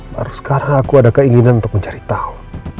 baru sekarang aku ada keinginan untuk mencari tahu